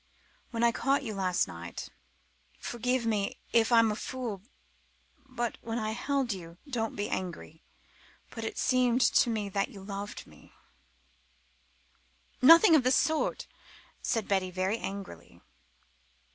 When I caught you last night. Forgive me if I'm a fool but when I held you don't be angry but it seemed to me that you loved me " "Nothing of the sort," said Betty very angrily.